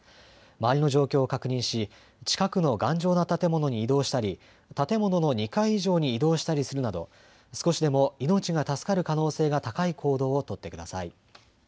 周りの状況を確認し近くの頑丈な建物に移動したり建物の２階以上に移動したりするなど少しでも命が助かる可能性が高い行動を取ってください。